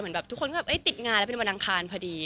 เหมือนแบบทุกคนติดงานแล้วเป็นวันดังคารพอดี